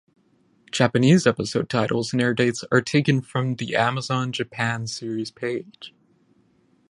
Japanese episode titles and airdates are taken from The Amazon Japan series page.